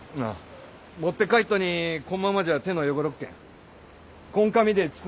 持って帰っとにこんままじゃ手の汚るっけんこん紙で包んでやっけん。